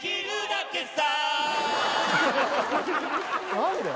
何で？